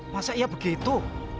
masa iya begitu